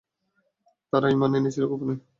আর তারা ঈমান এনেছিল গোপনে।